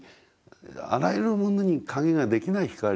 あらゆるものに影ができない光。